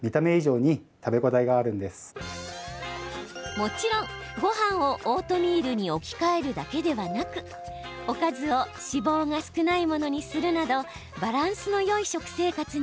もちろんごはんをオートミールに置き換えるだけではなくおかずを脂肪が少ないものにするなどバランスのよい食生活にし